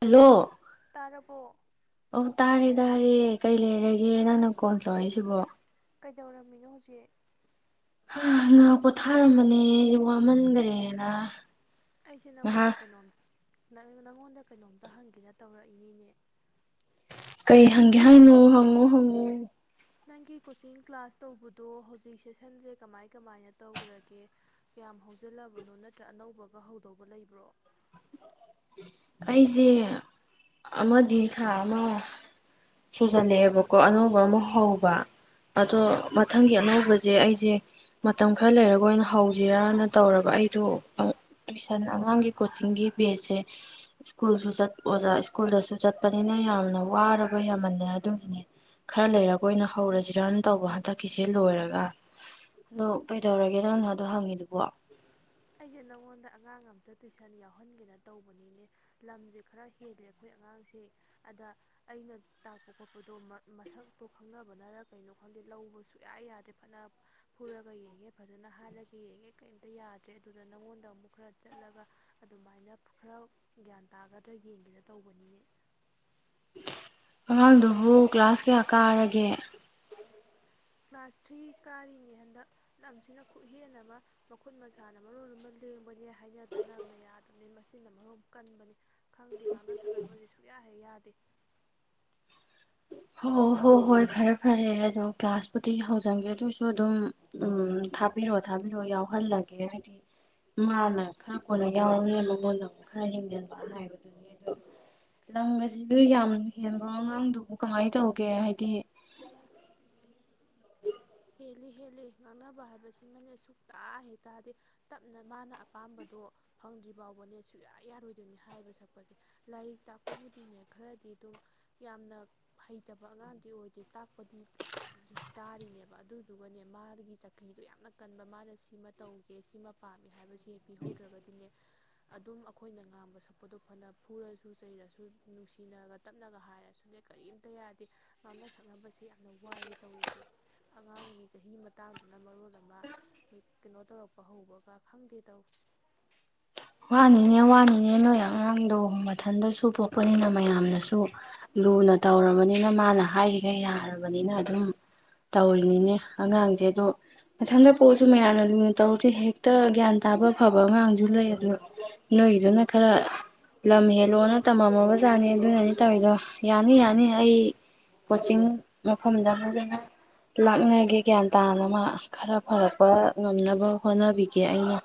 Hello ꯇꯥꯔꯕꯣ ꯑꯧ ꯇꯥꯔꯦ ꯇꯥꯔꯦ ꯀꯩ ꯂꯩꯔꯒꯦ ꯅꯪꯅ ꯀꯣꯟꯜ ꯇꯧꯔꯛꯏꯁꯤꯕꯣ ꯀꯩꯗꯧꯔꯝꯃꯤꯅꯣ ꯍꯧꯖꯤꯛ ꯍꯥ ꯉꯍꯛ ꯄꯣ ꯊꯥꯔꯝꯕꯅꯦ ꯋꯥꯃꯟꯈ꯭ꯔꯦꯅ ꯑꯩꯁꯦ ꯅꯪꯉꯣꯟꯗ ꯉꯥꯏꯍꯥꯛ ꯀꯩꯅꯣꯝ ꯪ ꯅꯪꯉꯣꯟꯗ ꯀꯩꯅꯣꯝꯇ ꯍꯪꯒꯦꯅ ꯇꯧꯔꯛꯏꯅꯤꯅꯦ ꯀꯩ ꯍꯪꯒꯦ ꯍꯥꯏꯅꯣ ꯍꯪꯉꯨ ꯍꯪꯉꯨ ꯅꯪꯒꯤ ꯀꯣꯆꯤꯡ ꯀ꯭ꯂꯥꯁ ꯇꯧꯕꯗꯣ ꯍꯧꯖꯤꯛ ꯁꯦꯁꯟꯁꯦ ꯀꯃꯥꯏ ꯀꯃꯥꯏꯅ ꯇꯧꯈ꯭ꯔꯒꯦ ꯀꯌꯥꯝ ꯍꯧꯖꯤꯜꯂꯕꯅꯣ ꯅꯠꯇ꯭ꯔ ꯑꯅꯧꯕꯒ ꯍꯧꯗꯧꯕ ꯂꯩꯕ꯭ꯔꯣ ꯑꯩꯁꯦ ꯑꯃꯗꯤ ꯊꯥ ꯑꯃ ꯁꯨꯖꯜꯂꯛꯑꯦꯕꯀꯣ ꯑꯅꯧꯕ ꯑꯃ ꯍꯧꯕ ꯑꯗꯣ ꯃꯊꯪꯒꯤ ꯑꯅꯧꯕꯁꯦ ꯑꯩꯁꯦ ꯃꯇꯝ ꯈꯔ ꯂꯩꯔꯒ ꯑꯣꯏꯅ ꯍꯧꯁꯤꯔꯅ ꯇꯧꯔꯕ ꯑꯩꯗꯣ ꯇꯨꯏꯁꯟ ꯑꯉꯥꯡꯒꯤ ꯀꯣꯆꯤꯡꯒꯤ ꯕꯦꯖꯁꯦ ꯁ꯭ꯀꯨꯜꯁꯨ ꯆꯠ ꯑꯣꯖꯥ ꯁ꯭ꯀꯨꯜꯗꯁꯨ ꯆꯠꯄꯅꯤꯅ ꯌꯥꯝꯅ ꯋꯥꯔꯕ ꯌꯥꯝꯃꯜꯂꯦ ꯑꯗꯨꯒꯤꯅꯦ ꯈꯔ ꯂꯩꯔꯒ ꯑꯣꯏꯅ ꯍꯧꯔꯖꯤꯔ ꯇꯧꯕ ꯍꯟꯗꯛꯀꯤꯁꯦ ꯂꯣꯏꯔꯒ ꯑꯗꯣ ꯀꯩꯗꯧꯔꯒꯦ ꯅꯪꯅ ꯑꯗꯨ ꯍꯪꯉꯤꯗꯨꯕꯣ ꯑꯩꯖꯦ ꯅꯪꯉꯣꯟꯗ ꯑꯉꯥꯡ ꯑꯝꯇ ꯇꯨꯏꯁꯟ ꯌꯥꯎꯍꯟꯒꯦꯅ ꯇꯧꯕꯅꯤꯅꯦ ꯂꯝꯖꯦ ꯈꯔ ꯍꯦꯜꯂꯦ ꯑꯩꯈꯣꯏ ꯑꯉꯥꯡꯁꯦ ꯑꯗ ꯑꯩꯅ ꯇꯥꯛꯄ ꯈꯣꯠꯄꯗꯣ ꯃ ꯃꯁꯛꯇꯣ ꯈꯪꯅꯕꯅꯔ ꯀꯩꯅꯣ ꯈꯪꯗꯦ ꯂꯧꯕ ꯁꯨꯛꯌꯥ ꯌꯥꯗ꯭ꯔꯦ ꯐꯅ ꯐꯨꯔꯒ ꯌꯦꯡꯉꯦ ꯐꯖꯅ ꯍꯥꯏꯔꯒ ꯌꯦꯡꯉꯦ ꯀꯩꯝꯇ ꯌꯥꯗꯦ ꯑꯗꯨꯗ ꯅꯪꯉꯣꯟꯗ ꯑꯃꯨꯛ ꯈꯔ ꯆꯠꯂꯒ ꯑꯗꯨꯃꯥꯏꯅ ꯈꯔ ꯒ꯭ꯌꯥꯟ ꯇꯥꯒꯗ꯭ꯔꯥ ꯌꯦꯡꯒꯦꯅ ꯇꯧꯕꯅꯤꯅꯦ ꯑꯉꯥꯡꯗꯨꯕꯨ ꯀ꯭ꯂꯥꯁ ꯀꯌꯥ ꯀꯥꯔꯒꯦ ꯀ꯭ꯂꯥꯁ ꯊ꯭ꯔꯤ ꯀꯥꯔꯤꯅꯤ ꯍꯟꯗꯛ ꯂꯝꯁꯤꯅ ꯈꯨꯍꯦꯟ ꯑꯃ ꯃꯈꯨꯠ ꯃꯁꯥꯅ ꯃꯔꯣꯜ ꯑꯃ ꯂꯦꯡꯕꯅꯦ ꯍꯥꯏꯅ ꯇꯥꯟꯅꯕꯅ ꯌꯥꯗꯕꯅꯤ ꯃꯆꯤꯟꯅ ꯃꯔꯣꯝ ꯀꯟꯕꯅꯤ ꯈꯪꯗꯦ ꯉꯥꯡꯅ ꯁꯛꯅꯕꯖꯦ ꯁꯨꯛꯌꯥ ꯍꯦꯛ ꯌꯥꯗꯦ ꯍꯣ ꯍꯣ ꯍꯣꯏ ꯐꯔꯦ ꯐꯔꯦ ꯑꯗꯣ ꯀ꯭ꯂꯥꯁꯄꯨꯗꯤ ꯍꯧꯖꯟꯒꯔꯦ ꯑꯗꯨ ꯑꯣꯏꯁꯨ ꯑꯗꯨꯝ ꯎꯝ ꯊꯥꯕꯤꯔꯛꯑꯣ ꯊꯥꯕꯤꯔꯛꯑꯣ ꯌꯥꯎꯍꯜꯂꯒꯦ ꯍꯥꯏꯗꯤ ꯃꯥꯅ ꯈꯔ ꯀꯣꯟꯅ ꯌꯥꯎꯔꯝꯅꯤꯅ ꯃꯉꯣꯟꯗꯃꯨꯛ ꯈꯔ ꯍꯦꯟꯖꯟꯕ ꯍꯥꯏꯕꯗꯨꯅꯤ ꯑꯗꯣ ꯂꯝ ꯑꯁꯤꯁꯨ ꯌꯥꯝ ꯍꯦꯟꯕ꯭ꯔꯣ ꯑꯉꯥꯡꯗꯨꯕꯨ ꯀꯃꯥꯏꯅ ꯇꯧꯒꯦ ꯍꯥꯏꯗꯤ ꯂꯦ ꯍꯦꯜꯂꯦ ꯉꯥꯡꯅꯕ ꯍꯥꯏꯕꯁꯤꯃꯅꯦ ꯁꯨꯛꯇ ꯍꯦꯛ ꯇꯥꯗꯦ ꯇꯞꯅ ꯃꯥꯅ ꯑꯄꯥꯝꯕꯗꯣ ꯐꯪꯗ꯭ꯔꯤ ꯕꯥꯎꯕꯅꯦ ꯁꯨꯛꯌꯥ ꯌꯥꯔꯣꯏꯗꯣꯏꯅꯦ ꯍꯥꯏꯕ ꯁꯛꯄꯖꯦ ꯂꯥꯏꯔꯤꯛ ꯇꯥꯛꯄꯕꯨꯗꯤꯅꯦ ꯈꯔꯗꯤ ꯑꯗꯨꯝ ꯌꯥꯝꯅ ꯍꯩꯇꯕ ꯑꯉꯥꯡꯗꯤ ꯑꯣꯏꯗꯦ ꯇꯥꯛꯄꯗꯤ ꯇꯥꯔꯤꯅꯦꯕ ꯑꯗꯨꯗꯨꯒꯅꯦ ꯃꯥꯒꯤ ꯆꯀ꯭ꯔꯤꯗꯣ ꯌꯥꯝꯅ ꯀꯟꯕ ꯃꯥꯅ ꯁꯤꯃ ꯇꯧꯒꯦ ꯁꯤꯃ ꯄꯥꯝꯃꯦ ꯍꯥꯏꯕꯖꯦ ꯄꯤꯍꯧꯗ꯭ꯔꯒꯗꯤꯅꯦ ꯑꯗꯨꯝ ꯑꯩꯈꯣꯏꯅ ꯉꯥꯡꯕ ꯁꯛꯄꯗꯣ ꯐꯅ ꯐꯨꯔꯁꯨ ꯆꯩꯔꯁꯨ ꯅꯨꯡꯁꯤꯅꯒ ꯇꯞꯅꯒ ꯍꯥꯏꯔꯁꯨꯅꯦ ꯀꯔꯤꯝꯇ ꯌꯥꯗꯦ ꯉꯥꯡꯅ ꯁꯛꯅꯕꯁꯦ ꯌꯥꯝꯅ ꯋꯥꯏꯑꯦ ꯇꯧꯔꯤꯁꯦ ꯑꯉꯥꯡꯒꯤ ꯆꯍꯤ ꯃꯇꯥꯡꯗꯨꯅ ꯃꯔꯣꯜ ꯑꯃ ꯍꯦꯛ ꯀꯩꯅꯣ ꯇꯧꯔꯛꯄ ꯍꯧꯕꯒ ꯈꯪꯗꯦ ꯇꯧ ꯋꯥꯅꯤꯅꯦ ꯋꯥꯅꯤꯅꯦ ꯅꯣꯏ ꯑꯉꯥꯡꯗꯣ ꯃꯊꯟꯗꯁꯨ ꯄꯣꯛꯄꯅꯤꯅ ꯃꯌꯥꯝꯅꯁꯨ ꯂꯨꯅ ꯇꯧꯔꯕꯅꯤꯅ ꯃꯥꯅ ꯍꯥꯏꯔꯤꯒꯩ ꯌꯥꯔꯕꯅꯤꯅ ꯑꯗꯨꯝ ꯇꯧꯔꯤꯅꯤꯅꯦ ꯑꯉꯥꯡꯁꯦ ꯑꯗꯣ ꯃꯊꯟꯗ ꯄꯣꯛꯑꯁꯨ ꯃꯌꯥꯝꯅ ꯂꯨꯅ ꯇꯧꯔꯁꯨ ꯍꯦꯛꯇ ꯒ꯭ꯌꯥꯟ ꯇꯥꯕ ꯐꯕ ꯑꯉꯥꯡꯁꯨ ꯂꯩ ꯑꯗꯨ ꯅꯣꯏꯒꯤꯗꯨꯅ ꯈꯔ ꯂꯝ ꯍꯦꯜꯂꯣꯅ ꯇꯝꯃꯝꯃꯕꯖꯥꯠꯅꯤ ꯑꯗꯨꯅꯅꯤ ꯇꯧꯋꯤꯗꯣ ꯌꯥꯅꯤ ꯌꯥꯅꯤ ꯑꯩ ꯀꯣꯆꯤꯡ ꯃꯐꯝꯗ ꯐꯖꯅ ꯂꯥꯛꯅꯒꯦ ꯒ꯭ꯌꯥꯟ ꯇꯥꯅ ꯃꯥ ꯈꯔ ꯐꯔꯛꯄ ꯉꯝꯅꯕ ꯍꯣꯠꯅꯕꯤꯒꯦ ꯑꯩꯅ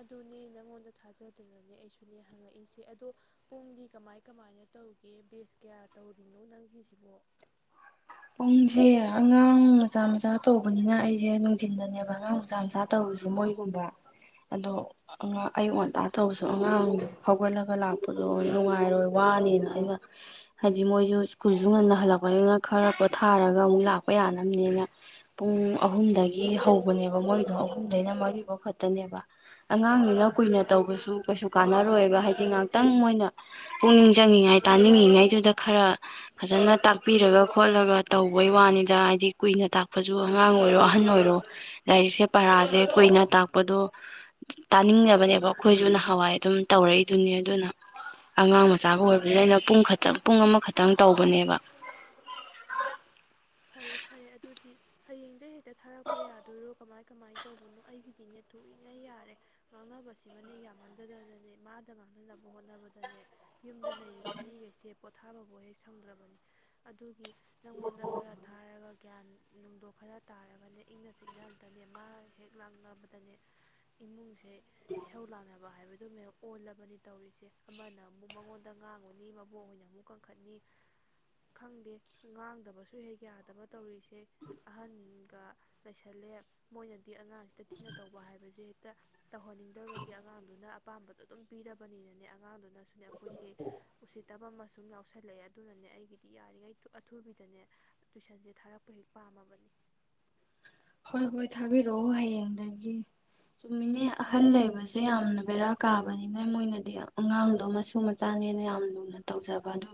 ꯑꯗꯨꯅꯦ ꯅꯪꯉꯣꯟꯗ ꯊꯥꯖꯗꯅꯅꯦ ꯑꯩꯁꯨꯅꯦ ꯍꯪꯉꯛꯏꯁꯦ ꯑꯗꯣ ꯄꯨꯡꯗꯤ ꯀꯃꯥꯏ ꯀꯃꯥꯏꯅ ꯇꯧꯒꯦ ꯕꯦꯖ ꯀꯌꯥ ꯇꯧꯔꯤꯅꯣ ꯅꯪꯒꯤꯁꯤꯕꯣ ꯄꯨꯡꯁꯦ ꯑꯉꯥꯡ ꯃꯆꯥ ꯃꯆꯥ ꯇꯧꯕꯅꯤꯅ ꯑꯩꯁꯦ ꯅꯨꯡꯊꯤꯟꯗꯅꯦꯕ ꯑꯉꯥꯡ ꯃꯆꯥ ꯃꯆꯥ ꯇꯧꯔꯤꯁꯦ ꯃꯣꯏꯒꯨꯝꯕ ꯑꯗꯣ ꯑꯥꯉꯥ ꯑꯌꯨꯛ ꯉꯟꯇꯥ ꯇꯧꯕꯁꯨ ꯑꯉꯥꯡꯗꯨ ꯍꯧꯒꯠꯂꯒ ꯂꯥꯛꯄꯗꯣ ꯅꯨꯡꯉꯥꯏꯔꯣꯏ ꯋꯥꯅꯦꯅ ꯑꯩꯅ ꯍꯥꯏꯗꯤ ꯃꯣꯏꯁꯨ ꯁ꯭ꯀꯨꯜꯁꯨ ꯉꯟꯅ ꯍꯜꯂꯛꯄꯅꯤꯅ ꯈꯪ ꯈꯔ ꯄꯣꯊꯥꯔꯒ ꯑꯃꯨꯛ ꯂꯥꯛꯄ ꯌꯥꯅꯝꯅꯦꯅ ꯄꯨꯡ ꯑꯍꯨꯝꯗꯒꯤ ꯍꯧꯕꯅꯦꯕ ꯃꯣꯏꯗꯣ ꯑꯍꯨꯝꯗꯩꯅ ꯃꯔꯤꯕꯥꯎ ꯈꯛꯇꯅꯦꯕ ꯑꯉꯥꯡꯅꯤꯅ ꯀꯨꯏꯅ ꯇꯧꯕꯁꯨ ꯀꯩꯁꯨ ꯀꯥꯟꯅꯔꯣꯏꯕ ꯍꯥꯏꯗꯤ ꯉꯥꯛꯇꯪ ꯃꯣꯏꯅ ꯄꯨꯛꯅꯤꯡ ꯆꯪꯉꯉꯥꯏ ꯇꯥꯅꯤꯡꯉꯤꯉꯩꯗꯨꯗ ꯈꯔ ꯐꯖꯅ ꯇꯥꯛꯄꯤꯔꯒ ꯈꯣꯠꯂꯒ ꯇꯧꯕꯩ ꯋꯥꯅꯤꯗ ꯍꯥꯏꯗꯤ ꯀꯨꯏꯅ ꯇꯥꯛꯄꯁꯨ ꯑꯉꯥꯡ ꯑꯣꯏꯔꯣ ꯑꯍꯟ ꯑꯣꯏꯔꯣ ꯂꯥꯏꯔꯤꯛꯁꯦ ꯄꯔꯥꯖꯦ ꯀꯨꯏꯅ ꯇꯥꯛꯄꯗꯣ ꯇꯥꯅꯤꯡꯗꯕꯅꯦꯕ ꯑꯩꯈꯣꯏꯁꯨ ꯅꯍꯥꯟꯋꯥꯏ ꯑꯗꯨꯝ ꯇꯧꯔꯛꯏꯗꯨꯅꯤ ꯑꯗꯨꯅ ꯑꯉꯥꯡ ꯃꯆꯥꯒ ꯑꯣꯏꯕꯅꯤꯅ ꯑꯩꯅ ꯄꯨꯡ ꯈꯛꯇꯪ ꯄꯨꯡ ꯑꯃꯈꯛꯇꯪ ꯇꯧꯕꯅꯦꯕ ꯐꯔꯦ ꯐꯔꯦ ꯑꯗꯨꯗꯤ ꯍꯌꯦꯡꯗꯩꯩ ꯍꯦꯛꯇ ꯊꯥꯔꯛꯄ ꯌꯥꯗꯣꯏꯔꯣ ꯀꯃꯥꯏ ꯀꯃꯥꯏꯅ ꯇꯧꯕꯅꯣ ꯑꯩꯒꯤꯗꯤꯅꯦ ꯊꯨꯔꯤꯉꯩ ꯌꯥꯔꯦ ꯉꯥꯡꯅꯕꯁꯤꯃꯗꯤ ꯌꯥꯝꯃꯟꯗꯗꯅꯅꯦ ꯃꯥꯗ ꯉꯥꯡꯅꯅꯕ ꯍꯣꯠꯅꯕꯗꯅꯦ ꯌꯨꯝꯗ ꯂꯩꯔꯤꯕ ꯃꯤꯒꯩꯁꯦ ꯄꯣꯊꯥꯕꯕꯨ ꯍꯦꯛ ꯁꯪꯗ꯭ꯔꯕꯅꯤ ꯑꯗꯨꯒꯤ ꯅꯪꯉꯣꯟꯗ ꯈꯔ ꯒ꯭ꯌꯥꯟ ꯅꯨꯡꯗꯣ ꯈꯔ ꯇꯥꯔꯒꯅꯦ ꯏꯪꯅ ꯆꯤꯛꯅ ꯑꯝꯇꯅꯦ ꯃꯥ ꯍꯦꯛ ꯂꯥꯛꯅꯕꯗꯅꯦ ꯏꯃꯨꯡꯁꯤ ꯁꯦ ꯏꯁꯧ ꯂꯥꯡꯅꯕ ꯍꯥꯏꯕ ꯇꯨꯝꯃꯦ ꯑꯣꯜꯂꯕꯅꯤ ꯇꯧꯔꯤꯁꯦ ꯑꯃꯅ ꯑꯃꯨꯛ ꯃꯉꯣꯟꯗ ꯉꯥꯡꯉꯨꯅꯤ ꯃꯕꯣꯛ ꯍꯣꯏꯅ ꯑꯃꯨꯛ ꯀꯟꯈꯠꯅꯤ ꯈꯪꯗꯦ ꯉꯥꯡꯗꯕꯁꯨ ꯍꯩ ꯌꯥꯗꯕ ꯇꯧꯔꯤꯁꯦ ꯑꯍꯟꯒ ꯂꯩꯁꯜꯂꯦ ꯃꯣꯏꯅꯗꯤ ꯑꯉꯥꯡꯁꯤꯗ ꯊꯤꯅ ꯇꯧꯕ ꯍꯥꯏꯕꯖꯦ ꯍꯦꯛꯇ ꯇꯧꯍꯟꯅꯤꯡꯗꯕꯒꯤ ꯑꯉꯥꯡꯗꯨꯅ ꯑꯄꯥꯝꯕꯗꯣ ꯑꯗꯨꯝ ꯄꯤꯔꯕꯅꯤꯅꯅꯦ ꯑꯉꯥꯡꯗꯨꯅꯁꯨ ꯑꯩꯈꯣꯏꯁꯦ ꯎꯁꯤꯠ ꯇꯕꯃ ꯁꯨꯝ ꯌꯥꯎꯁꯜꯂꯛꯑꯦ ꯑꯗꯨꯅꯅꯦ ꯑꯩꯒꯤꯗꯤ ꯌꯥꯔꯤꯉꯩ ꯊꯨ ꯑꯊꯨꯕꯤꯗꯅꯦ ꯇꯨꯏꯁꯟꯖꯦ ꯊꯥꯔꯛꯄ ꯍꯦꯛ ꯄꯥꯝꯃꯕꯅꯤ ꯍꯣꯏ ꯍꯣꯏ ꯊꯥꯕꯤꯔꯛꯑꯣ ꯍꯌꯦꯡꯗꯒꯤ ꯆꯨꯝꯃꯤꯅꯦ ꯑꯍꯜ ꯂꯩꯕꯁꯦ ꯌꯥꯝꯅ ꯕꯦꯔꯥ ꯀꯥꯕꯅꯤ ꯅ ꯃꯣꯏꯅꯗꯤ ꯑꯉꯥꯡꯗꯣ ꯃꯁꯨ ꯃꯆꯥꯅꯦꯅ ꯌꯥꯝ ꯂꯨꯅ ꯇꯧꯖꯕ ꯑꯗꯨ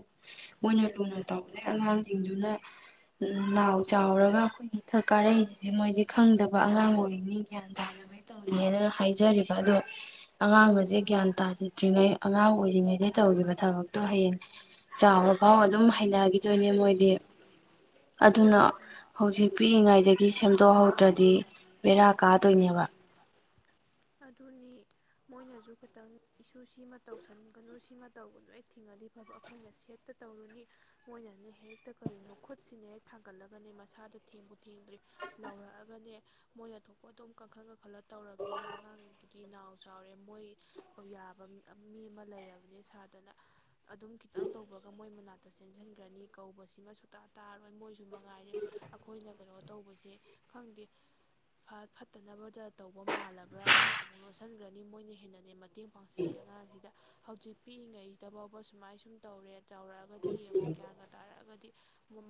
ꯃꯣꯏꯅ ꯂꯨꯅ ꯇꯧꯕꯗꯩ ꯑꯉꯥꯡꯖꯤꯡꯗꯨꯅ ꯅꯥꯎ ꯆꯥꯎꯔꯒ ꯑꯩꯈꯣꯏꯒꯤ ꯏꯊꯛ ꯀꯥꯔꯛꯏꯖꯦ ꯍꯧ ꯃꯣꯏꯗꯤ ꯈꯪꯗꯕ ꯑꯉꯥꯡ ꯑꯣꯏꯔꯤꯅꯤ ꯒ꯭ꯌꯥꯟ ꯇꯥꯅꯕꯒꯤ ꯇꯧꯔꯤꯅꯦꯅ ꯍꯥꯏꯖꯔꯤꯕ ꯑꯗꯣ ꯑꯉꯥꯡꯗꯣ ꯍꯧꯖꯤꯛ ꯒ꯭ꯌꯥꯟ ꯇꯥꯖꯗ꯭ꯔꯤꯉꯩ ꯑꯉꯥꯡ ꯑꯣꯏꯔꯤꯉꯩꯗ ꯇꯧꯈꯤꯕ ꯊꯕꯛꯇꯣ ꯍꯌꯦꯡ ꯆꯥꯎꯔ ꯐꯥꯎ ꯑꯗꯨꯝ ꯍꯩꯅꯈꯤꯗꯣꯏꯅꯦ ꯃꯣꯏꯗꯤ ꯑꯗꯨꯅ ꯍꯧꯖꯤꯛ ꯄꯤꯛꯏꯉꯩꯗꯒꯤ ꯄꯛꯂꯤꯉꯩꯗꯒꯤ ꯁꯦꯝꯗꯣꯛꯍꯧꯗ꯭ꯔꯗꯤ ꯕꯦꯔꯥ ꯀꯥꯗꯣꯏꯅꯦꯕ ꯑꯗꯨꯅꯤ ꯃꯣꯏꯅꯖꯨ ꯈꯤꯠ ꯏꯁꯨ ꯁꯤꯃ ꯇꯧꯁꯤꯟꯒꯅꯨ ꯁꯤꯃ ꯇꯧꯒꯅꯨ ꯍꯦꯛ ꯊꯤꯡꯉꯗꯤ ꯐꯕ ꯑꯩꯈꯣꯏꯅ ꯁꯦꯠꯇ ꯇꯧꯔꯨꯅꯤ ꯃꯣꯏꯅꯅꯦ ꯍꯦꯛꯇ ꯀꯔꯤꯅꯣ ꯈꯨꯠꯁꯤꯅ ꯍꯦꯛ ꯊꯥꯡꯒꯠꯂꯒꯅꯦ ꯃꯁꯥꯗ ꯊꯦꯡꯕꯨ ꯊꯦꯡꯗ꯭ꯔꯤ ꯂꯥꯎꯔꯛꯑꯒꯅꯦ ꯃꯣꯏꯅ ꯊꯣꯛꯄ ꯑꯗꯨꯝ ꯀꯥꯈꯠ ꯀꯈꯜꯂ ꯇꯧꯔꯕꯅꯤꯅ ꯑꯉꯥꯡꯗꯨꯗꯤ ꯅꯥꯎ ꯆꯥꯎꯔꯦ ꯃꯣꯏ ꯌꯥꯕ ꯃꯤ ꯑꯃ ꯂꯩꯔꯕꯅꯦ ꯁꯥꯗꯅ ꯑꯗꯨꯝ ꯈꯤꯇꯪ ꯇꯧꯕꯒ ꯃꯣꯏ ꯃꯅꯥꯛꯇ ꯆꯦꯟꯁꯤꯟꯒꯔꯅꯤ ꯀꯧꯕꯁꯤꯃ ꯁꯨꯇꯥ ꯇꯥꯔꯣꯏ ꯃꯣꯏꯁꯨ ꯃꯉꯥꯏꯔꯦ ꯑꯩꯈꯣꯏꯅ ꯀꯩꯅꯣ ꯇꯧꯕꯁꯦ ꯈꯪꯗꯦ ꯐ ꯐꯠꯇꯅꯕꯗ ꯇꯧꯕ ꯃꯥꯜꯂꯕ꯭ꯔꯥ ꯊꯣꯡ ꯑꯃꯨꯛ ꯂꯣꯠꯁꯤꯟꯈ꯭ꯔꯅꯤ ꯃꯣꯏꯅ ꯍꯦꯟꯅꯅꯦ ꯃꯇꯦꯡ ꯄꯥꯡꯁꯤꯜꯂꯦ ꯑꯉꯥꯡꯁꯤꯗ ꯍꯧꯖꯤꯛ ꯄꯤꯛꯏꯉꯩꯖꯤꯗ ꯐꯥꯎꯕ ꯁꯨꯃꯥꯏꯅ ꯁꯨꯝ ꯇꯧꯔꯦ ꯆꯥꯎꯔꯛꯑꯒꯗꯤ ꯌꯦꯡꯉꯣ ꯒ꯭ꯌꯥꯟꯒ ꯇꯥꯔꯛꯑꯒꯗꯤ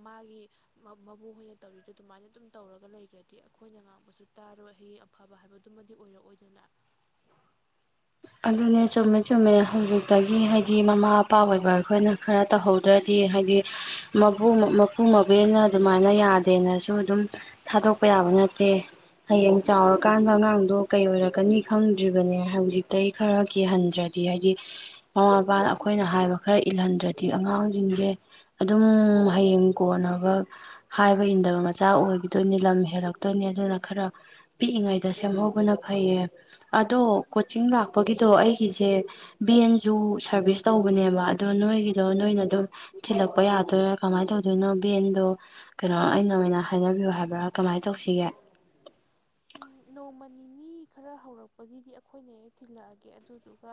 ꯃꯥꯒꯤ ꯃ ꯃꯕꯣꯛꯍꯣꯏꯅ ꯇꯧꯔꯤꯗ ꯑꯗꯨꯃꯥꯏꯅ ꯑꯗꯨꯝ ꯇꯧꯔꯒ ꯂꯩꯒꯔꯗꯤ ꯑꯩꯈꯣꯏꯅ ꯉꯥꯡꯕꯁꯨ ꯇꯥꯔꯣꯏ ꯍꯌꯦꯡ ꯑꯐꯕ ꯍꯥꯏꯕꯗꯨꯃꯗꯤ ꯑꯣꯏꯔꯛꯑꯣꯏꯗꯅ ꯑꯗꯨꯅꯦ ꯆꯨꯃꯦ ꯆ ꯆꯨꯝꯃꯦ ꯍꯧꯖꯤꯛꯇꯒꯤ ꯍꯥꯏꯗꯤ ꯃꯃꯥ ꯃꯄꯥ ꯑꯣꯏꯕ ꯑꯩꯈꯣꯏꯅ ꯈꯔ ꯇꯧꯍꯧꯗ꯭ꯔꯗꯤ ꯍꯥꯏꯗꯤ ꯃꯄꯨ ꯃꯄꯨ ꯃꯕꯦꯅ ꯑꯗꯨꯃꯥꯏꯅ ꯌꯥꯗꯦꯅꯁꯨ ꯑꯗꯨꯝ ꯊꯥꯗꯣꯛꯄ ꯌꯥꯕ ꯅꯠꯇꯦ꯫ ꯍꯌꯦꯡ ꯆꯥꯎꯔꯀꯥꯟꯗ ꯑꯉꯥꯡꯗꯣ ꯀꯩ ꯑꯣꯏꯔꯛꯀꯅꯤ ꯈꯪꯗ꯭ꯔꯤꯕꯅꯦ ꯍꯧꯖꯤꯛ ꯑꯗꯩꯩ ꯈꯔ ꯀꯤꯍꯟꯗ꯭ꯔꯗꯤ ꯍꯥꯏꯗꯤ ꯃꯃꯥ ꯃꯄꯥꯅ ꯑꯩꯈꯣꯏꯅ ꯍꯥꯏꯕ ꯈꯔ ꯏꯜꯍꯟꯗ꯭ꯔꯗꯤ ꯑꯉꯥꯡꯁꯤꯡꯁꯦ ꯑꯗꯨꯝ ꯍꯌꯦꯡ ꯀꯣꯟꯅꯕ ꯍꯥꯏꯕ ꯏꯟꯗꯕ ꯃꯆꯥ ꯑꯣꯏꯈꯤꯗꯣꯏꯅꯤ ꯂꯝ ꯍꯦꯜꯂꯛꯇꯣꯏꯅꯤ ꯑꯗꯨꯅ ꯈꯔ ꯄꯤꯛꯏꯉꯩꯗ ꯁꯦꯝꯍꯧꯕꯅ ꯐꯩꯌꯦ ꯑꯗꯣ ꯀꯣ ꯀꯛꯆꯤꯡ ꯂꯥꯛꯄꯒꯤꯗꯣ ꯑꯩꯒꯤꯁꯦ ꯚꯦꯟꯁꯨ ꯁꯥꯔꯚꯤꯁ ꯇꯧꯕꯅꯦꯕ ꯑꯗꯣ ꯅꯣꯏꯒꯤꯗꯣ ꯅꯣꯏꯅ ꯑꯗꯨꯝ ꯊꯤꯜꯂꯛꯄ ꯌꯥꯗꯣꯏꯔꯥ ꯀꯃꯥꯏꯅ ꯇꯧꯗꯣꯏꯅꯣ ꯚꯦꯟꯗꯣ ꯀꯩꯅꯣ ꯑꯩꯅ ꯑꯣꯏꯅ ꯍꯥꯏꯅꯕꯤꯌꯨ ꯍꯥꯏꯕ꯭ꯔꯥ ꯀꯝꯃꯥꯏꯅ ꯇꯧꯁꯤꯒꯦ ꯎꯝ ꯅꯣꯡꯃ ꯅꯤꯅꯤ ꯈꯔ ꯍꯧꯔꯛꯄꯒꯤꯗꯤ ꯑꯩꯈꯣꯏꯅ ꯍꯦꯛ ꯊꯤꯜꯂꯛꯑꯒꯦ ꯑꯗꯨꯗꯨꯒ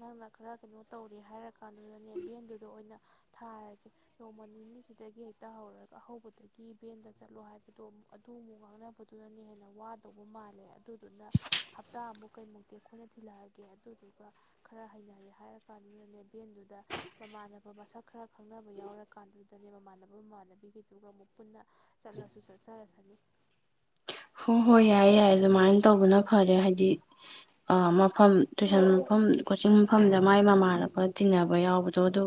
ꯅꯪꯅ ꯈꯔ ꯀꯩꯅꯣ ꯇꯧꯔꯦ ꯍꯥꯏꯔ ꯀꯥꯟꯗꯨꯗꯅꯦ ꯚꯦꯟꯗꯨꯗ ꯑꯣꯏꯅ ꯊꯥꯔꯒꯦ ꯅꯣꯡꯃ ꯅꯤꯅꯤꯁꯤꯗꯒꯤ ꯍꯦꯛꯇ ꯍꯧꯔꯒ ꯍꯧꯕꯗꯒꯤ ꯚꯦꯟꯗ ꯆꯠꯂꯣ ꯍꯥꯏꯕꯗꯣꯨꯛ ꯑꯗꯨ ꯑꯃꯨꯛ ꯉꯥꯡꯅꯕꯗꯨꯅꯅꯦ ꯍꯦꯟꯅ ꯑꯃꯨꯛ ꯋꯥꯗꯧꯕ ꯃꯥꯜꯂꯦ ꯑꯗꯨꯗꯨꯅ ꯍꯞꯇꯥ ꯑꯃꯨꯛ ꯀꯩꯃꯨꯛꯇꯤ ꯑꯩꯈꯣꯏꯅ ꯊꯤꯜꯂꯛꯑꯒꯦ ꯑꯗꯨꯗꯨꯒ ꯈꯔ ꯍꯩꯅꯔꯦ ꯍꯥꯏꯔ ꯀꯥꯟꯗꯨꯗꯅꯦ ꯚꯦꯟꯗꯨꯗ ꯃꯃꯥꯟꯅꯕ ꯃꯁꯛ ꯈꯔ ꯈꯪꯅꯕ ꯌꯥꯎꯔ ꯀꯥꯟꯗꯨꯗꯅꯦ ꯃꯃꯥꯟꯅꯕ ꯃꯃꯥꯟꯅꯕꯤꯒꯤꯗꯨꯒ ꯑꯃꯨꯛ ꯄꯨꯟꯅ ꯆꯠꯂꯁꯨ ꯆꯠꯆꯔꯁꯅꯤ ꯍꯣꯏ ꯍꯣꯏ ꯌꯥꯏ ꯌꯥꯏ ꯑꯗꯨꯃꯥꯏꯅ ꯇꯧꯕꯅ ꯐꯔꯦ ꯍꯥꯏꯗꯤ ꯃꯐꯝ ꯇꯨꯏꯁꯟ ꯃꯐꯝ ꯀꯣꯆꯤꯡ ꯃꯐꯝꯗ ꯃꯥꯏ ꯃꯃꯥꯟꯅꯕ ꯇꯤꯟꯅꯕ ꯌꯥꯎꯕꯗꯣ ꯑꯗꯨ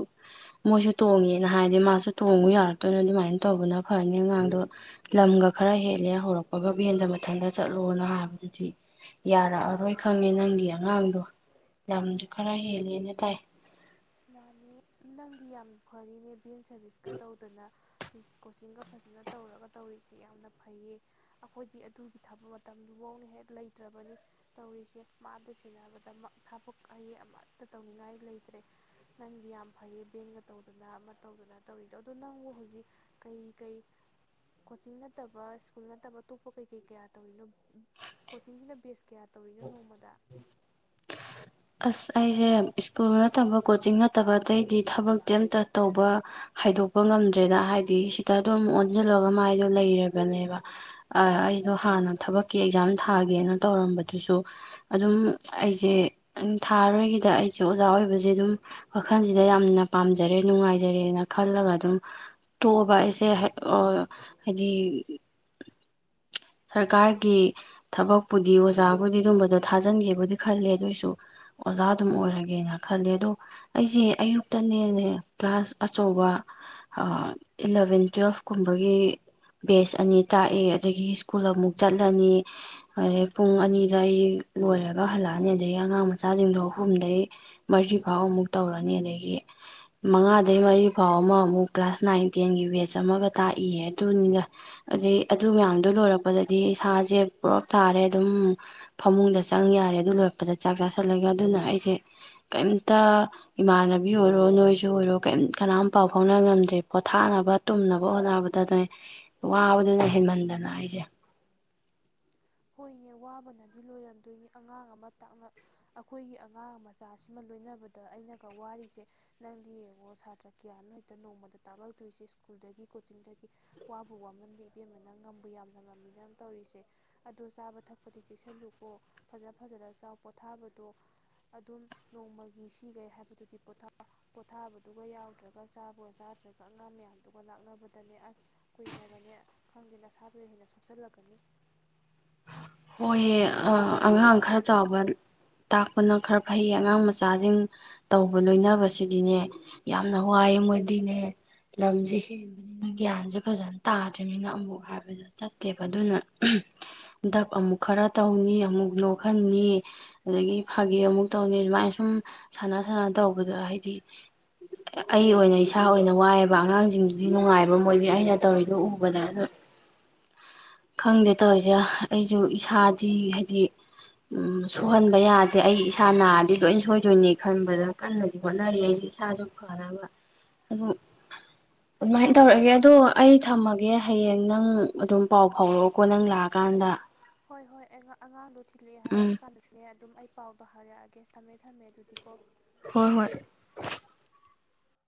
ꯃꯣꯏꯁꯨ ꯇꯣꯡꯉꯦꯅ ꯍꯥꯏꯔꯗꯤ ꯃꯥꯁꯨ ꯇꯣꯡꯉꯨ ꯌꯥꯔꯛꯇꯣꯏꯅ ꯑꯗꯨꯃꯥꯏꯅ ꯇꯧꯕꯅ ꯐꯔꯅꯤ ꯑꯉꯥꯡꯗꯣ ꯂꯝꯒ ꯈꯔ ꯍꯦꯜꯂꯦ ꯍꯧꯔꯛꯄ ꯒ ꯚꯦꯟꯗ ꯃꯊꯟꯇ ꯆꯠꯂꯣꯅ ꯍꯥꯏꯕꯗꯨꯗꯤ ꯌꯥꯔꯛꯑꯔꯣꯏ ꯈꯪꯉꯦ ꯅꯪꯒꯤ ꯑꯉꯥꯡꯗꯣ ꯌꯥꯝꯁꯨ ꯈꯔ ꯍꯦꯜꯂꯦꯅ ꯇꯥꯏ ꯃꯥꯅꯤ ꯅꯪꯗꯤ ꯌꯥꯝ ꯐꯔꯤꯅꯦ ꯚꯦꯟ ꯁꯥꯔꯚꯤꯁꯀ ꯇꯧꯗꯅ ꯀꯣꯆꯤꯡꯒ ꯐꯖꯅ ꯇꯧꯔꯒ ꯇꯧꯔꯤꯁꯦ ꯌꯥꯝꯅ ꯐꯩꯌꯦ ꯑꯩꯈꯣꯏꯗꯤ ꯑꯗꯨꯒꯤ ꯊꯥꯕꯛ ꯃꯇꯝꯗꯨꯐꯧꯅ ꯍꯦꯛ ꯂꯩꯇ꯭ꯔꯕꯅꯤ ꯇꯧꯔꯤꯁꯦ ꯃꯥꯗ ꯁꯦꯟꯅꯕꯗ ꯊꯕꯛ ꯑꯩ ꯑꯃꯠꯇ ꯇꯧꯅꯤꯡꯉꯥꯏ ꯂꯩꯇ꯭ꯔꯦ ꯅꯪꯗꯤ ꯌꯥꯝ ꯐꯔꯦ ꯕꯦꯟꯒ ꯇꯧꯗꯅ ꯑꯃ ꯇꯧꯗꯅ ꯇꯧꯔꯤꯗꯣ ꯑꯣ ꯅꯪꯕꯨ ꯍꯧꯖꯤꯛ ꯀꯩ ꯀꯩ ꯀꯣꯆꯤꯡ ꯅꯠꯇꯕ ꯁ꯭ꯀꯨꯜ ꯅꯠꯇꯕ ꯑꯇꯣꯞꯄ ꯀꯩ ꯀꯩ ꯀꯌꯥ ꯇꯧꯔꯤꯅꯣ ꯀꯣꯆꯤꯡꯁꯤꯅ ꯕꯦꯁ ꯀꯌꯥ ꯇꯧꯔꯤꯅꯣ ꯅꯣꯡꯃꯗ ꯑꯁ ꯑꯩꯁꯦ ꯁ꯭ꯀꯨꯜ ꯅꯠꯇꯕ ꯀꯣꯆꯤꯡ ꯅꯠꯇꯕ ꯑꯇꯩꯗꯤ ꯊꯕꯛꯇꯤ ꯑꯝꯇ ꯇꯧꯕ ꯍꯥꯏꯗꯣꯛꯄ ꯉꯝꯗ꯭ꯔꯦꯗ ꯍꯥꯏꯗꯤ ꯁꯤꯇꯗꯣ ꯑꯃꯨꯛ ꯑꯣꯟꯁꯤꯜꯂꯒ ꯃꯥꯏꯗꯣ ꯂꯩꯔꯕꯅꯦꯕ ꯑꯩꯗꯣ ꯍꯥꯟꯅ ꯊꯕꯛꯀꯤ ꯑꯦꯛꯖꯥꯝ ꯊꯥꯒꯦꯅ ꯇꯧꯔꯝꯕꯗꯨꯁꯨ ꯑꯗꯨꯝ ꯑꯩꯁꯦ ꯊꯥ ꯑꯔꯣꯏꯒꯤꯗ ꯑꯩꯁꯦ ꯑꯣꯖꯥ ꯑꯣꯏꯕꯁꯦ ꯑꯗꯨꯝ ꯋꯥꯈꯜꯁꯤꯗ ꯌꯥꯝꯅ ꯄꯥꯝꯖꯔꯦ ꯅꯨꯡꯉꯥꯏꯖꯔꯦꯅ ꯈꯜꯂꯒ ꯑꯗꯨꯝ ꯇꯣꯛꯑꯕ ꯑꯩꯁꯦ ꯍꯥꯏꯗꯤ ꯁꯔꯀꯥꯔꯒꯤ ꯊꯕꯛꯄꯨꯗꯤ ꯑꯣꯖꯥꯕꯨꯗꯤ ꯑꯗꯨꯝꯕꯗꯣ ꯊꯥꯖꯤꯟꯒꯦꯕꯨꯗꯤ ꯈꯜꯂꯦ ꯑꯗꯨꯑꯣꯏꯁꯨ ꯑꯣꯖꯥ ꯑꯗꯨꯝ ꯑꯣꯏꯔꯒꯦꯅ ꯈꯜꯂꯦ ꯑꯗꯣ ꯑꯩꯁꯦ ꯑꯌꯨꯛꯇꯅꯦꯅꯦ ꯀ꯭ꯂꯥꯁ ꯑꯆꯧꯕ ꯏꯂꯚꯦꯟ ꯇꯨꯋꯦꯜꯐ ꯀꯨꯝꯕꯒꯤ ꯕꯦꯁ ꯑꯅꯤ ꯇꯥꯛꯑꯦ ꯑꯗꯒꯤ ꯁ꯭ꯀꯨꯜ ꯑꯃꯨꯛ ꯆꯠꯂꯅꯤ ꯑꯗꯩ ꯄꯨꯡ ꯑꯅꯤꯗ ꯑꯩ ꯂꯣꯏꯔꯒ ꯍꯜꯂꯛꯑꯅꯤ ꯑꯗꯒꯤ ꯑꯉꯥꯡ ꯃꯆꯥꯁꯤꯡꯗꯣ ꯑꯍꯨꯝꯗꯒꯤꯩ ꯃꯔꯤꯐꯥꯎ ꯑꯃꯨꯛ ꯇꯧꯔꯅꯤ ꯑꯗꯒꯤ ꯃꯉꯥꯗꯩ ꯃꯔꯤꯐꯥꯎ ꯑꯃ ꯑꯃꯨꯛ ꯀ꯭ꯂꯥꯁ ꯅꯥꯏꯟ ꯇꯦꯟꯒꯤ ꯕꯦꯆ ꯑꯃꯒ ꯇꯥꯛꯏꯌꯦ ꯑꯗꯨꯅꯤꯅ ꯑꯗꯩ ꯑꯗꯨ ꯃꯌꯥꯝꯗꯣ ꯂꯣꯏꯔꯛ ꯄꯗꯗꯤ ꯏꯁꯥꯁꯦ ꯄꯨꯂꯞ ꯊꯥꯔꯦ ꯑꯗꯨꯝ ꯐꯃꯨꯡꯗ ꯆꯪ ꯌꯥꯔꯦ ꯑꯗꯨ ꯂꯣꯏꯔꯛꯄꯗ ꯆꯥꯛ ꯆꯥꯥꯁꯜꯂꯒ ꯑꯗꯨꯅ ꯑꯩꯁꯦ ꯀꯩꯝꯇ ꯏꯃꯥꯟꯅꯕꯤ ꯑꯣꯏꯔꯣ ꯅꯣꯏꯁꯨ ꯑꯣꯏꯔꯣ ꯀꯩꯝ ꯀꯅꯥꯝ ꯄꯥꯎ ꯐꯥꯎꯅ ꯉꯝꯗ꯭ꯔꯦ ꯄꯣꯊꯥꯅꯕ ꯇꯨꯝꯅꯕ ꯍꯣꯠꯅꯕꯗꯅꯦ ꯋꯥꯕꯗꯨꯅ ꯍꯦꯟꯃꯟꯗꯅ ꯑꯩꯁꯦ ꯍꯣꯏꯅꯦ ꯋꯥꯕꯅꯗꯤ ꯂꯣꯏꯔꯝꯗꯣꯏꯅꯤ ꯑꯉꯥꯡ ꯑꯃꯥꯛ ꯑꯩꯈꯣꯏꯒꯤ ꯑꯉꯥꯡ ꯃꯆꯥꯁꯤꯃ ꯂꯣꯏꯅꯕꯗ ꯑꯩꯅꯒ ꯋꯥꯔꯤꯔꯤꯁꯦ ꯅꯪꯗꯤ ꯌꯦꯡꯉꯣ ꯁꯥꯇ꯭ꯔ ꯀꯌꯥꯅꯣ ꯍꯦꯛꯇ ꯅꯣꯡꯃꯗ ꯇꯥꯛꯂꯛꯇꯣꯏꯁꯦ ꯁ꯭ꯀꯨꯜꯗꯒꯤ ꯀꯣꯆꯤꯡꯗꯒꯤ ꯋꯥꯕ ꯋꯥꯃꯟꯗꯤ ꯏꯕꯦꯝꯕꯅꯪ ꯉꯝꯕꯨ ꯌꯥꯝꯅ ꯉꯝꯃꯤꯅ ꯇꯧꯔꯤꯁꯦ ꯑꯗꯣ ꯆꯥꯕ ꯊꯛꯄꯗꯤ ꯆꯦꯛꯁꯤꯜꯂꯨꯀꯣ ꯐꯖ ꯐꯖꯅ ꯆꯥꯎ ꯄꯣꯊꯥꯕꯗꯣ ꯑꯗꯨꯝ ꯅꯣꯡꯃꯒꯤ ꯁꯤꯒꯦ ꯍꯥꯏꯕꯗꯨꯗꯤ ꯄꯣ ꯄꯣꯊꯥꯕꯗꯨꯒ ꯌꯥꯎꯗ꯭ꯔꯒ ꯆꯥꯕꯒ ꯆꯥꯗ꯭ꯔꯒ ꯑꯉꯥꯡ ꯃꯌꯥꯝꯗꯨꯒ ꯂꯥꯛꯅꯕꯗꯅꯦ ꯑꯁ ꯀꯨꯏꯅꯒꯅꯦ ꯈꯪꯗꯦ ꯅꯁꯥꯗ ꯍꯦꯟꯅ ꯁꯣꯛꯆꯜꯂꯛꯀꯅꯤ ꯍꯣꯏꯑ ꯑꯉꯥꯡ ꯈꯔ ꯆꯥꯎꯕ ꯇꯥꯛꯄꯅ ꯈꯔ ꯐꯩꯌꯦ ꯑꯉꯥꯡ ꯃꯆꯥꯁꯤꯡ ꯇꯧꯕ ꯂꯣꯏꯅꯕꯁꯤꯗꯤꯅꯦ ꯌꯥꯝꯅ ꯋꯥꯏꯑ ꯃꯣꯏꯗꯤꯅꯦ ꯂꯝꯁꯦ ꯍꯦꯟꯕꯅꯤꯅ ꯒ꯭ꯌꯥꯟꯁꯦ ꯐꯖꯅ ꯇꯥꯗ꯭ꯔꯤꯕꯅꯤꯅ ꯑꯃꯨꯛ ꯍꯥꯏꯕꯗ ꯆꯠꯇꯦꯕ ꯑꯗꯨꯅ ꯍꯟꯗꯛ ꯑꯃꯨꯛ ꯈꯔ ꯇꯧꯅꯤ ꯑꯃꯨꯛ ꯅꯣꯛꯍꯟꯅꯤ ꯑꯗꯒꯤ ꯐꯥꯒꯤ ꯑꯃꯨꯛ ꯇꯧꯅꯤ ꯑꯗꯨꯃꯥꯏꯅ ꯁꯨꯝ ꯁꯥꯟꯅ ꯁꯥꯟꯅ ꯇꯧꯕꯗ ꯍꯥꯏꯗꯤ ꯑꯩ ꯑꯣꯏꯅ ꯏꯁꯥ ꯑꯣꯏꯅ ꯋꯥꯏꯑꯦꯕ ꯑꯉꯥꯡꯁꯤꯡꯗꯨꯗꯤ ꯅꯨꯡꯉꯥꯏꯕ ꯃꯣꯏꯒꯤ ꯑꯩꯅ ꯇꯧꯔꯤꯗꯣ ꯎꯕꯗ ꯑꯗꯣ ꯈꯪꯗꯦ ꯇꯧꯔꯤꯁꯦ ꯑꯩꯁꯨ ꯏꯁꯥꯗꯤ ꯍꯥꯏꯗꯤ ꯁꯣꯛꯍꯟꯕ ꯌꯥꯗꯦ ꯑꯩ ꯏꯁꯥ ꯅꯥꯔꯗꯤ ꯂꯣꯏ ꯁꯣꯏꯗꯣꯏꯅꯤ ꯈꯟꯕꯗ ꯀꯟꯅꯗꯤ ꯍꯣꯠꯅꯔꯤ ꯑꯩꯁꯨꯦ ꯏꯁꯥꯁꯨ ꯐꯅꯕ ꯑꯗꯨ ꯑꯗꯨꯃꯥꯏꯅ ꯇꯧꯔꯒꯦ ꯑꯗꯣ ꯑꯩ ꯊꯝꯃꯒꯦ ꯍꯌꯦꯡ ꯅꯪ ꯑꯗꯨꯝ ꯄꯥꯎ ꯐꯥꯎꯔꯛꯑꯣꯀꯣ ꯅꯪ ꯂꯥꯛꯑꯀꯥꯟꯗ ꯍꯣꯏ ꯍꯣꯏ ꯑꯉꯥꯡꯗꯨ ꯤꯜꯂꯦ ꯍꯥꯏꯔ ꯎꯝ ꯀꯥꯟꯗꯗꯤ ꯑꯗꯨꯝ ꯑꯩ ꯄꯥꯎꯗꯣ ꯍꯥꯏꯔꯛꯑꯒꯦ ꯊꯝꯃꯦ ꯊꯝꯃꯦ ꯑꯗꯨꯗꯤꯀꯣ ꯍꯣꯏ ꯍꯣꯏ